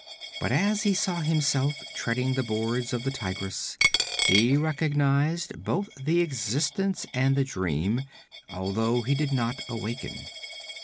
But as he saw himself treading the boards of the Tigress, he recognized both the existence and the dream, although he did not awaken.